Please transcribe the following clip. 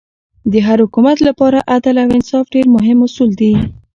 د هر حکومت له پاره عدل او انصاف ډېر مهم اصول دي.